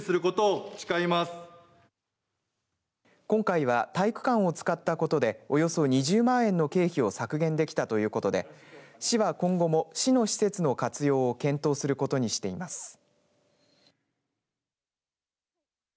今回は体育館を使ったことでおよそ２０万円の経費を削減できたということで市は、今後も市の施設の活用を検討することにしています。